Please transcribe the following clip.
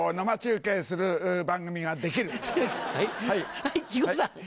はい木久扇さん。